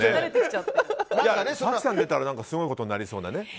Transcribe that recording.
早紀さんが出たらすごいことになりそうな。